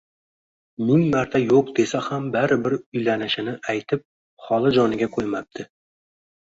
Ming marta yo`q desa ham baribir uylanishini aytib holi-joniga qo`ymabdi